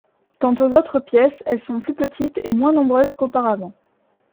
Quant aux autres pièces, elles sont plus petites et moins nombreuses qu'auparavant.